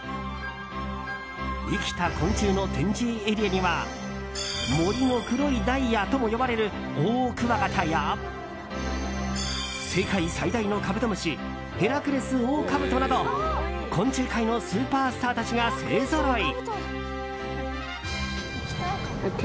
生きた昆虫の展示エリアには森の黒いダイヤともいわれるオオクワガタや世界最大のカブトムシヘラクレスオオカブトなど昆虫界のスーパースターたちが勢ぞろい。